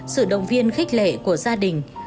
sự động viên khích lệ của gia đình